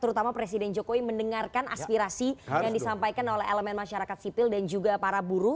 terutama presiden jokowi mendengarkan aspirasi yang disampaikan oleh elemen masyarakat sipil dan juga para buruh